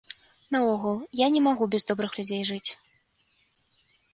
Наогул, я не магу без добрых людзей жыць.